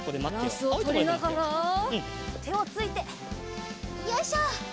バランスをとりながらてをついてよいしょ。